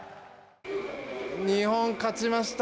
日本、勝ちました。